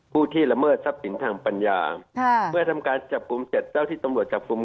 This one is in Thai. ผู้ที่ละเมิดทรัพย์สินทางปัญญาเมื่อทำการจับกลุ่มเสร็จเจ้าที่ตำรวจจับกลุ่ม